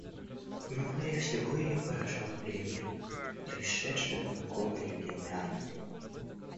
Но более всего ее поражала перемена, происшедшая в знакомой и любимой Анне.